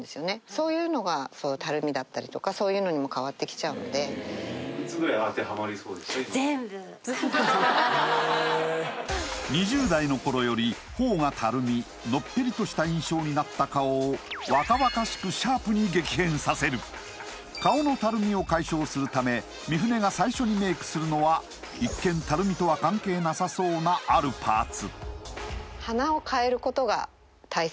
そういうのがたるみだったりとかそういうのにも変わってきちゃうので２０代の頃より頬がたるみのっぺりとした印象になった顔を若々しくシャープに激変させる顔のたるみを解消するため美舟が最初にメイクするのは一見たるみとは関係なさそうなあるパーツ